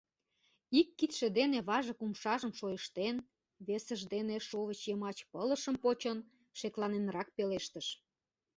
Ик кидше дене важык умшажым шойыштен, весыж дене шовыч йымач пылышым почын, шекланенрак пелештыш: